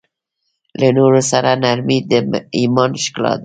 له نورو سره نرمي د ایمان ښکلا ده.